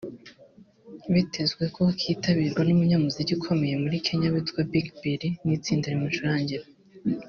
byitezwe ko kitabirwa n’umunyamuziki ukomeye muri Kenya witwa Blinky Bill n’itsinda rimucurangira